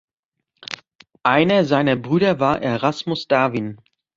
Einer seiner Brüder war Erasmus Darwin.